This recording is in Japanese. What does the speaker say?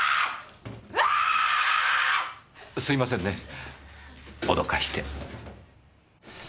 すいませんね驚かして。